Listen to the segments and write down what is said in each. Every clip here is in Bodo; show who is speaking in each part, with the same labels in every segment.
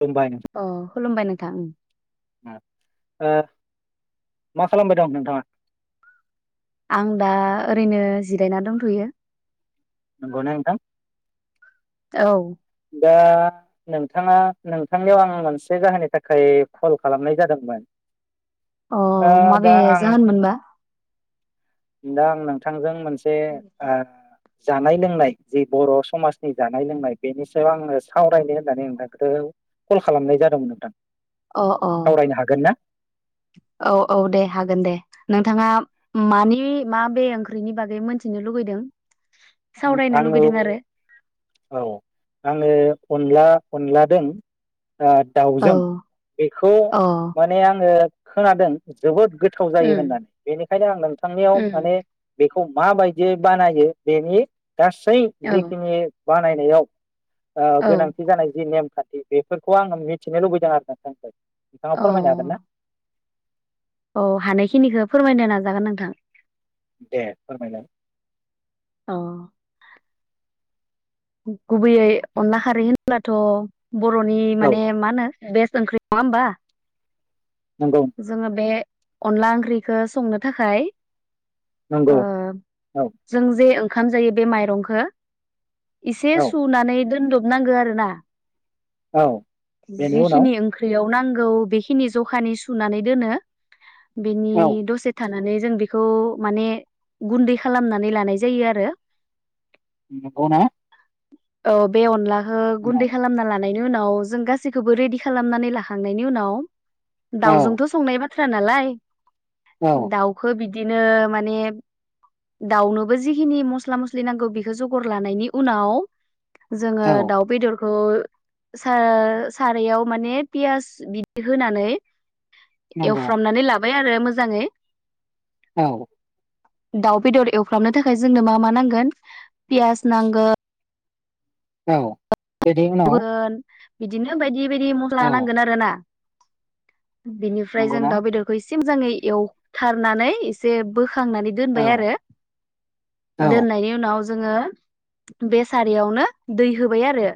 Speaker 1: खुलुमबाय
Speaker 2: अ खुलुमबाय नोंथां।
Speaker 1: नोंथां ओ मा खालामबाय दं नोंथाङा?
Speaker 2: आं दा ओरैनो जिरायना दंथ'यो।
Speaker 1: नंगौना नोंथां?
Speaker 2: औ।
Speaker 1: दा नोंथाङा नोंथांनियाव आं मोनसे जाहोननि थाखाय कल खालामनाय जादोंमोन।
Speaker 2: अ
Speaker 1: ओ
Speaker 2: माबे
Speaker 1: दा आं
Speaker 2: जाहोन मोनबा
Speaker 1: दा आं नोंथांजों मोन से ओ जानाय लोंनाय जि बर' समाजनि जानाय लोंनाय बेनि सायाव आङो सावरायनो होननानै नोंथांखौ कल खालामनाय जादोंमोन नोंथां।
Speaker 2: अ अ
Speaker 1: सावरायनो हागोन ना
Speaker 2: औ औ दे हागोन दे। नोंथाङा मानि माबे ओंख्रिनि बागै मोनथिनो लुगैदों। सावरायनो
Speaker 1: आङो
Speaker 2: लुगैदों आरो
Speaker 1: औ आङो। अनला अनला जों
Speaker 2: औ
Speaker 1: दाउजों बेखौ
Speaker 2: अ
Speaker 1: माने आङो खोनादों जोबोद गोथाव जायो
Speaker 2: उम
Speaker 1: होननानै बेनिखायनो आं नोंथांनियाव
Speaker 2: उम
Speaker 1: माने बेखौ मा बायदियै बानायो बेनि गासै
Speaker 2: औ
Speaker 1: जिखिनि बानायनायाव ओ
Speaker 2: औ
Speaker 1: गोनांथि जानाय जि नेम खान्थि बेफोरखौ आंङो मिथिनो लुबैदों आरो नोंथांनिफ्राय नोंथाङा
Speaker 2: अ
Speaker 1: फोरमायनो हागोन ना?
Speaker 2: औ हानायखिनिखौ फोरमायनो नाजागोन नोंथां
Speaker 1: दे फोरमायलाय
Speaker 2: अ गुबैयै अनला खारै होनब्लाथ' बर'नि
Speaker 1: औ
Speaker 2: माने मा होनो बेस्ट ओंख्रि नङा होमबा
Speaker 1: नंगौ
Speaker 2: । जोङो बे अनला ओंख्रिखौ संनो थाखाय ‌ ओ
Speaker 1: नंगौ औ
Speaker 2: जों जे ओंखाम जायो बे माइरंखौ एसे
Speaker 1: औ
Speaker 2: सुनानै दोन्द नांगौ आरो ना
Speaker 1: औ बेनि उनाव
Speaker 2: जिखिनि ओंख्रियाव नांगौ औ बेखिनि जखानि सुनानै दोनो । बिनि
Speaker 1: औ
Speaker 2: दसे थानानै जों बेखौ माने गुन्दै खालामनानै लानाय जायो आरो
Speaker 1: नंगौना
Speaker 2: औ बे अनला ओ गुन्दै
Speaker 1: औ
Speaker 2: खालामना ला नानै बिनि उनाव जों गासैखौबो रेडि खालामनानै लाखांनायनि उनाव
Speaker 1: औ
Speaker 2: दाउजोंथ' संनाय बाथ थ्रा नालाय
Speaker 1: औ
Speaker 2: दावखौ बिदि नो माने दाउनोबो जिखिनि मस्ला मस्लि नांगौ बेखौ जगर लानायनि उनाव जोङो दाउ बेदरखौ बेखौ सा सारायाव माने पियास बिदि होनानै
Speaker 1: नंगौ
Speaker 2: एवफ्रामनानै लाबा य आरो मोजाङै
Speaker 1: औ
Speaker 2: दाउ बेदर एवफ्रामनो थाखाय जोंनो मा मा नांगोन पियास नांगोन ओ
Speaker 1: औ बेनि उनाव
Speaker 2: फगोन बिदिनो बायदि बेबायदि
Speaker 1: औ
Speaker 2: मस्ला नांगोन आरोना बिनिफ्राय जों
Speaker 1: नंगौना
Speaker 2: दाउ बेदरखौ एसे सिम जाङो एवथारनानै एसे बो बोखांनानै
Speaker 1: औ
Speaker 2: दोनबाय आरो
Speaker 1: औ
Speaker 2: दोननायनि उनाव जोङो बे सारियावनो दै होबाय आरो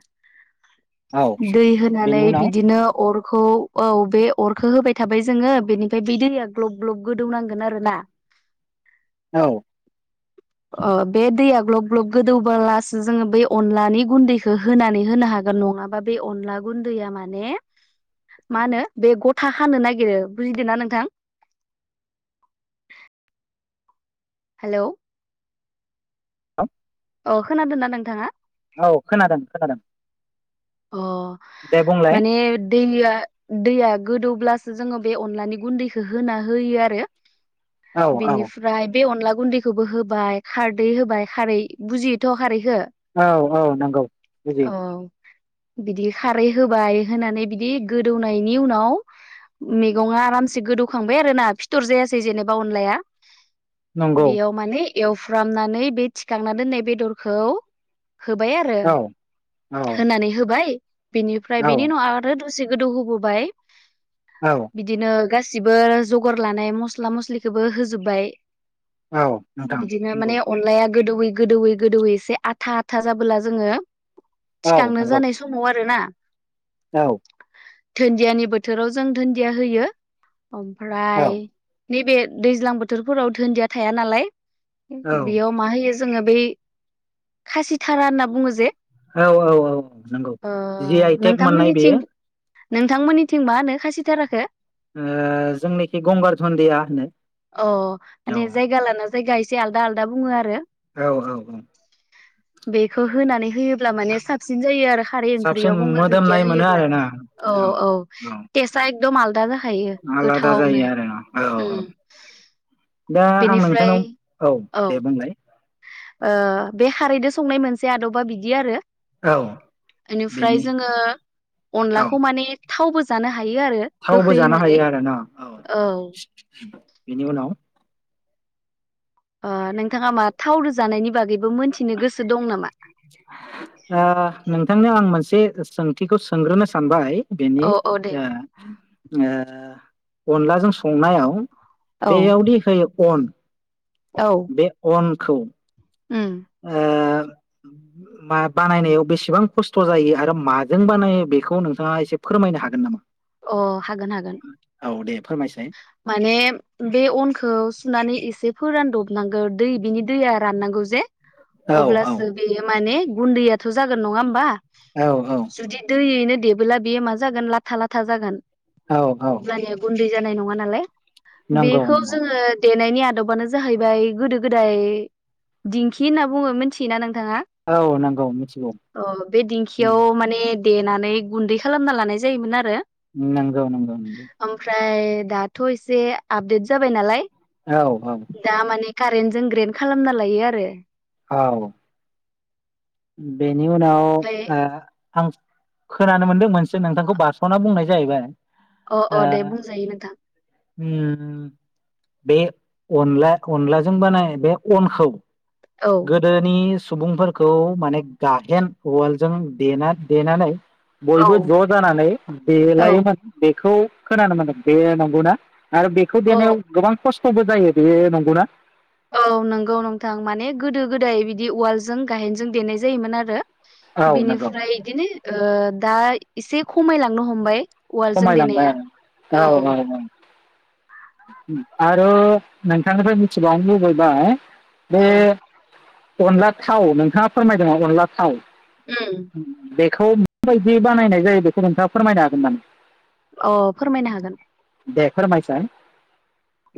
Speaker 1: औ
Speaker 2: दै होनानै
Speaker 1: बेनि उनाव
Speaker 2: बिदिनो अर खौ औ बे अरखो होबाय थाबाय जोङो बेनिफ्राय बे दैया ग्लब ग्लब गोदौनांगोन आरो ना
Speaker 1: औ
Speaker 2: ओ बे दैया ग्लब ग्लब गोदौलासो जोङो बेै अनलानि गुन्दैखौ होनानै होनो हागोन नङाबा बे अनला गुन्दैया माने मा होनो बे गथा हानो नागिरो बुजिदों ना नोंथां हेलौ
Speaker 1: [unintelligible]
Speaker 2: अ खोनादोंना नोंथाङा
Speaker 1: औ खोनादों खोनादों
Speaker 2: अ
Speaker 1: दे बुंलाय
Speaker 2: माने दैया दैया गोदौब्लासो जोङो बे अनलानि गुन्दैखौ होना होयो आरो
Speaker 1: औ औ
Speaker 2: बेनिफ्राय बे अनला गुन्दैखौबो होबाय खारदै होबाय खारै बुजियोथ' खारै
Speaker 1: औ औ नंगौ बुजियो
Speaker 2: औ बिदि खारै होबाय होनानै बिदि गोदौनायनि उनाव मैगङा आरामसे गोदौखांबाय आरोना फिथर जायासै जेनेबा अनलाया
Speaker 1: नंगौ
Speaker 2: बेयाव माने एवफ्रामनानै बे थिखांना दोननाय बेदरखौ
Speaker 1: औ औ
Speaker 2: नै होबाय बिनिफ्राय
Speaker 1: औ
Speaker 2: बेनि उनाव आरो दसे गोदौ होबोबाय
Speaker 1: औ
Speaker 2: बिदिनो गासिबो जगार लानाय मस्ला मस्लिखौबो होजोबबाय
Speaker 1: औ नोंथां
Speaker 2: बिदिनो माने
Speaker 1: नंगौ
Speaker 2: अनलाया गोदौै गोदौवै गोदौवै एसे आथा आथा जाबोला जोङो
Speaker 1: औ
Speaker 2: थिखांनो
Speaker 1: नंगौ
Speaker 2: जानाय समाव आरो ना
Speaker 1: औ
Speaker 2: धुन्दियानि बोथोराव जों धुन्दिया होयो
Speaker 1: औ
Speaker 2: ओमफ्राय नैबे दैज्लां बोथोरफोराव धोनदिया थाया नालाय
Speaker 1: औ
Speaker 2: बेयाव मा होयो जोंङो बै खासिथारा होनना बुङो जे
Speaker 1: औ औ औ औ नंगौ
Speaker 2: ओ
Speaker 1: जि आइटेक मोननाय
Speaker 2: नोंथांमोननिथिं
Speaker 1: बेयो
Speaker 2: नोंथांमोननिथिं माहोनो खासिथाराखो?
Speaker 1: ओ जोंनिखि गंगारधन्दिया होनो
Speaker 2: अ माने
Speaker 1: औ
Speaker 2: जायगा लाना जायगा एसे आलदा आलदा बुङो आरो
Speaker 1: औ औ औ
Speaker 2: बेखौ होनानै होयोब्ल साबसिन जायो आरो खारै
Speaker 1: साबसिन
Speaker 2: ओंख्रियाव गंगार दुन्दिया
Speaker 1: मोदोमनाय मोनो
Speaker 2: होयोब्ला
Speaker 1: आरोना
Speaker 2: औ औ टेस्टआ एकदम आलदा जाखायो
Speaker 1: आलादा
Speaker 2: गोथावनो
Speaker 1: जायो आरो औ औ
Speaker 2: ओम
Speaker 1: दा आं
Speaker 2: बेनिफ्राय
Speaker 1: नोंथांनाव
Speaker 2: औ
Speaker 1: दे बुंलाय
Speaker 2: ओ बे खारैद संनाय मोनसे आदबा बिदि आरो
Speaker 1: औ
Speaker 2: बेनिफ्राय
Speaker 1: बेनि
Speaker 2: जोंङो
Speaker 1: औ
Speaker 2: अनलाखौ माने थावबो जानो हा
Speaker 1: थावबो जानो हायो आरो ना औ बेनि उनाव
Speaker 2: ओ नोंथाङा मा थाव दोजानायनि बागै
Speaker 1: ओ नोंथांनो आं मोनसे सोंथिखौ सोंग्रोनो सानबाय बेनि
Speaker 2: औ औ दे
Speaker 1: ओ ओ ओ अनलाजों संनायाव
Speaker 2: औ
Speaker 1: बेयाव दे होयो अन बे अन खौ
Speaker 2: उम
Speaker 1: ओ मा बानायनायाव बेसेबां खस्थ' जायो आरो माजों बानायो बेखौ नोंथाङा एसे फोरमायनो हागोन नामा?
Speaker 2: अ हागोन हागोन
Speaker 1: औ दे फोरमायसाय
Speaker 2: माने बे अनखौ सुनानै एसे फोरानदब नांगौ दै बिनि दैया राननांगौ जे
Speaker 1: औ
Speaker 2: अब्लासो बेयो माने गुन्दैयाथ' जागोन नङा होमबा
Speaker 1: औ
Speaker 2: जुदी दैनो देबोला बेयो मा जागोन लाथा लाथ था जागोन
Speaker 1: औ औ
Speaker 2: अब्लानिया ग दै जानाय नङा नालाय
Speaker 1: नंगौ
Speaker 2: बेखौ
Speaker 1: नंगौ
Speaker 2: जोंङो नायनि आदबानो जाहैबाय गोदो गोदाय दिंखि होनना बुङो मिथि नों न नथाङा
Speaker 1: औ नंगौ मिथिगौ
Speaker 2: अ बे दिंखियाव माने देनानै गुन्दै खालामना लानाय जायोमोन आरो।
Speaker 1: नंगौ नंगौ नंगौ।
Speaker 2: ओमफ्राय दाथ' एसे आपदेट जाबाय नालाय
Speaker 1: औ औ
Speaker 2: कारेन्ट जों ग्रेड खालामना लायो आरो।
Speaker 1: औ दे निउ न
Speaker 2: ओमफ्राय
Speaker 1: आ थां खोनानो मोनदों मोनसे नोंथांखौ बार स'ना बुंनाय जाहैबाय
Speaker 2: अ अ दे बुंजायो नोंथां।
Speaker 1: ओम बे अनला अनलाजों बानाय बे अनखौ
Speaker 2: औ
Speaker 1: गोदोनि सुबुंफोरखौ माने गाहेन उवालजों देना देनानै
Speaker 2: औ
Speaker 1: बयबो ज' जानानै देलायोमोन बेखौ खोननो मोनदों बे नंगौना? आरो बेखौ
Speaker 2: औ
Speaker 1: देनायाव गोबां खस थ'बो जायो बे नंगौना?
Speaker 2: औ नंगौ नोंथां माने गोदो गोदाय बिदि उवालजों गाहेनजों देनाय जायोमोन आरो।
Speaker 1: औ नंगौ
Speaker 2: बिनिफ्राय बिदिनो दा एसे खमायलांनो हमबाय उवालजों
Speaker 1: खमायलांबाय
Speaker 2: देनाया
Speaker 1: औ औ आरो नोंथांनिफ्राय मिथिबावनो लुबैबाय बे
Speaker 2: औ
Speaker 1: अनला थाव नोंथाङा फोरमायदों अनला थाव
Speaker 2: उम
Speaker 1: बेखौ माबायदि बानायनाय जायो बे नोंथाङा फोरमायनो हागोन नामा?
Speaker 2: अ फोरमायनो हागोन।
Speaker 1: दे फोरमायसाय?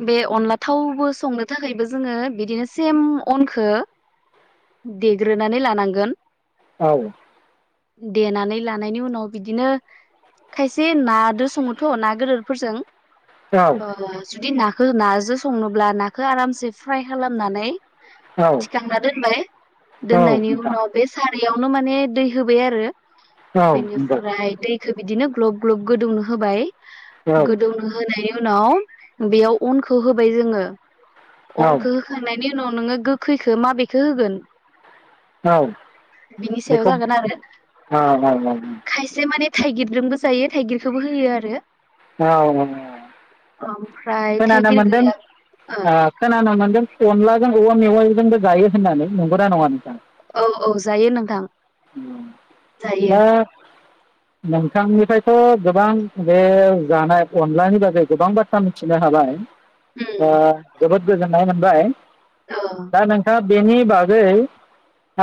Speaker 2: बे अनला थावबो संनो थाखायबो जोङो बिदिनो सेम अनखौ देग्रोनानै लानांगोन
Speaker 1: औ
Speaker 2: देनानै लानायनि उनाव बिदिनो खायसे नादो सङोथ' ना गोदोरफोरजों औ जुदि नाखौ नाजों संनोब्ला नाखौ आरामसे फ्राय खालामनानै
Speaker 1: औ
Speaker 2: थिखांना दोनबाय
Speaker 1: औ
Speaker 2: दोननायनि
Speaker 1: नोंथां
Speaker 2: उनाव बे सार यावनो माने दै होबाय आरो
Speaker 1: औ नंगौ
Speaker 2: बेनिफ्राय दैखौ बिदिनो ग्लब ग्लब गोदौनो होबाय
Speaker 1: औ
Speaker 2: गोदौनो होनाय उनाव बेयाव अनखौ होबाय जोङो
Speaker 1: औ
Speaker 2: अनखौ होखांनायनि उनाव नोङो गोखैखो माबेखौ होगोन
Speaker 1: औ
Speaker 2: बिनि सायाव
Speaker 1: बेखौ
Speaker 2: जागोन आरो
Speaker 1: ओ औ औ
Speaker 2: खायसे माने थाइगिरजोंबो जायो थाइगिरखौबो होयोआरो
Speaker 1: औ
Speaker 2: औ
Speaker 1: खोनानो मोनदों ओ खोनानो मोनदों अनलाजों औवा मेवाइजोंबो जायो होननानै नंगौना नङा नोंथां?
Speaker 2: औ औ जायो नोंथां। जायो
Speaker 1: दा नोंथांनिफ्रायथ' गोबां बे जानाय अनलानि बागै गोबां बाथ्रा मिथिनो हाबाय ओ
Speaker 2: उम
Speaker 1: जोबोद गोजोननाय मोनबाय।
Speaker 2: औ
Speaker 1: दा नोंथाङा बेनि बागै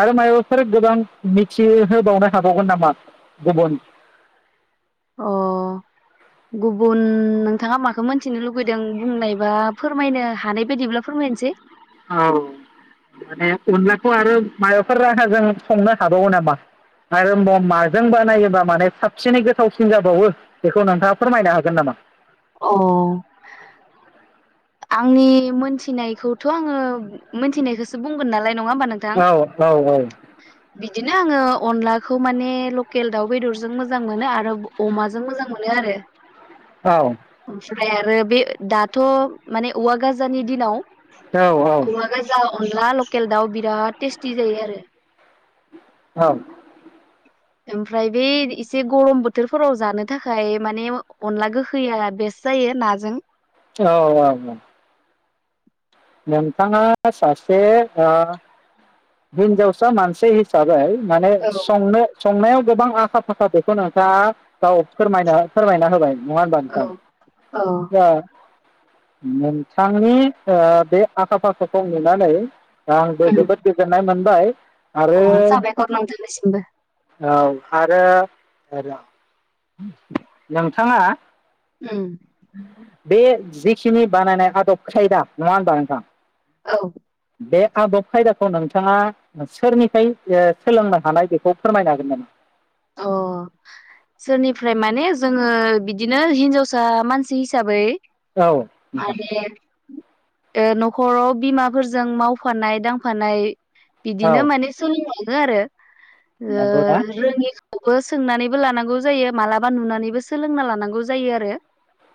Speaker 1: आरो माइबाफोर गोबां मिथिहोबावनो हाबावगोन नामा गुबुन
Speaker 2: अ गुबुन नोंथाङा माखो मोनथिनो लुबैदों बुंनायबा फोरमायनो हानाय बायदिब्ला फोरमायनोसै
Speaker 1: औ माने अनलाखौ आरो मायबाफोर राहाजों संनो हाबावो नामा आरो माजों बानायोबा माने साबसिनै गोथावसिन जाबावो बेखौ नोंथाङा फोरमायनो हागोन नामा?
Speaker 2: अह आंनि मोनथिनायखौथ' आङो मोनथिनायखौसो बुंगोन नालाय नङा होमबा नोंथां
Speaker 1: औ औ औ
Speaker 2: बिदिनो आङो अनलाखौ माने लकेल दाउ बेदरजों मोजां मोनो आरो अमाजों मोजां मोनो आरो।
Speaker 1: औ
Speaker 2: ओमफ्राय आरो बे दाथ' माने औवा गाजानि दिनाव औवा गाजा अनला लकेल दाउ बिराद टेस्टि जायो आरो।
Speaker 1: औ
Speaker 2: ओमफ्राय बै एसे गरम बोथोरफोराव जानो थाखाय माने अनला गोखैया बेस जायो नाजों
Speaker 1: औ औ नोंथाङा सासे हिनजावसा मानसि हिसाबै माने
Speaker 2: औ
Speaker 1: संनो संनायाव गोबां आखा फाखा बेखौ नोंथाङा गाव फोरमायनो फोरमायना होबाय नङा होनबा
Speaker 2: औ
Speaker 1: नोंथां
Speaker 2: औ
Speaker 1: [unintelligible] नोंथांनि ओ बे आखा फाखाखौ नुनानै दा आंबो जोबोद गोजोननाय मोनबाय
Speaker 2: अ
Speaker 1: आरो
Speaker 2: साबायखर नोंथांनिसिमबो
Speaker 1: औ आरो नों थाङा
Speaker 2: ओम
Speaker 1: बे जिखिनि बानायनाय आदब खायदा नङा होनबा नोंथां?
Speaker 2: औ
Speaker 1: बे आदब खायदाखौ नोंथाङा सोरनिफ्राय सोलोंनो हानाय बेखौ फोरमायनो हागोन नामा?
Speaker 2: अ सोरनिफ्राय माने जोङो बिदिनो हिनजावसा मानसि हिसाबै
Speaker 1: नामा औ नोंथां
Speaker 2: माने ओ न'खराव बिमाफोरजों मावफानाय दांफानाय
Speaker 1: औ
Speaker 2: बिदिनो माने सों बेनो आरो ओ
Speaker 1: नंगौ ना
Speaker 2: ओ रोङि खौबो सोंनानैबो लानांगौ जायो मालाबा नुनानैबो सोलोंना लानांगौ जायो आरो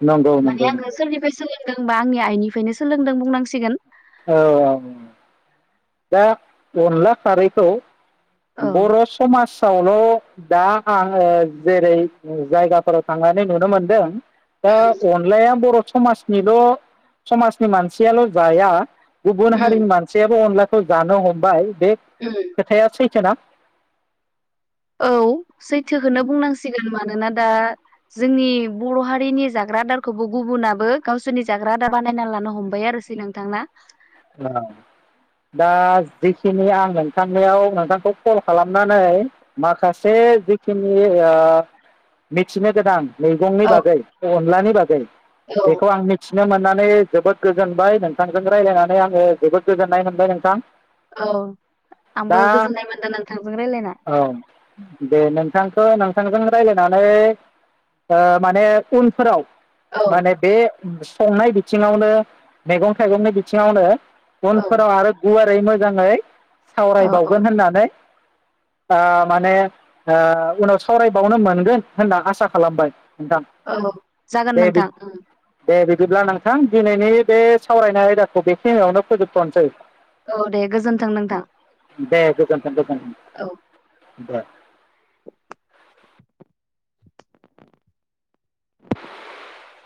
Speaker 1: नंगौ
Speaker 2: माने
Speaker 1: नंगौ
Speaker 2: आंङो सोरनिफ्राय सोल [unintelligible] आंनि आइनिफ्रायनो सोलोंदों बुंनांसिगोन
Speaker 1: औ दा अनला खारैखौ
Speaker 2: औ
Speaker 1: बर' समाजावल' दा आंङो जेरै जायगाफोराव थांनानै नुनो मोनदों औ अनलायाया बर' समाजनिल' समाजनि मानसियाल' जाया गुबुन
Speaker 2: उम
Speaker 1: हारिनि मानसियाबो अनला खौ जानो हमबाय। बे
Speaker 2: उम
Speaker 1: खोथाया सैथोना?
Speaker 2: औ सैथोखौनो बुंनांसिगोन मानोना दा जोंनि बर' हारिनि जाग्रा आदारखौबो गुबुनाबो गावसोरनि जाग्रा आदार बानायना लानो हमबाय आरोसै नोंथां ना?
Speaker 1: औ दा जिखिनि आं नोंथांनियाव नोंथांखौ कल खालामनानै माखासे जिखिनि ए ओ मिथिनो गोनां मैगंनि
Speaker 2: औ
Speaker 1: बागै, अनलानि बागै
Speaker 2: औ
Speaker 1: बेखौ आं मिथिनो मोननानै [unintelligible] जोबोद गोजोनबाय नोंथांजों रायज्लायनानै आङो जोबोद गोजोननाय मोनबाय नोंथां।
Speaker 2: औ
Speaker 1: दा
Speaker 2: आंबो गोजोननाय मोनदों नोंथांजों रायलायना।
Speaker 1: औ दे नोंथांखौ नोंथांजों रायज्लायनानै ओ माने उनफोराव
Speaker 2: औ
Speaker 1: माने बे संनाय बिथिङावनो मैगं थाइगंनि सिंआवनो
Speaker 2: औ
Speaker 1: उनफोराव आरो गुवारै मोजाङै
Speaker 2: औ औ
Speaker 1: सावरायबावगोन होननानै ओ माने ओ उनाव सावरायबावनो मोनगोन होनना आसा खालामबाय। नोंथां
Speaker 2: औ जागोन नोंथां ओम।
Speaker 1: जेब्ला नोंथां दिनैनि बे सावरायनाय आयदाखौ बे खिनिआवनो फोजोबथ'नोसै।
Speaker 2: औ दे गोजोन्थों नोंथां
Speaker 1: दे गोजोनथों दे
Speaker 2: औ
Speaker 1: गोजोनथों दे। [inaudible]